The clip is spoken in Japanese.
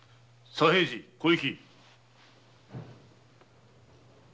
左平次小雪。